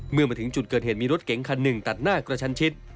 เมื่อมาถึงจุดเกิดเหตุมีรถเก๋งคันหนึ่งตัดหน้ากระชันชิด